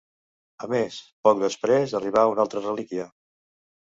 A més, poc després arribà una altra relíquia.